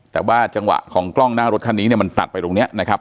แต่ว่าจังหวะของกล้องหน้ารถคันนี้เนี่ยมันตัดไปตรงนี้นะครับ